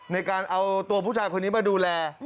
ในการเอาตัวผู้ชายคนนี้มาดูแล